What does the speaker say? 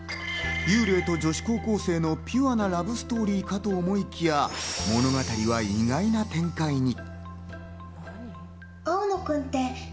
幽霊と女子高校生のピュアなラブストーリーかと思いきや、物語は意外な展開に。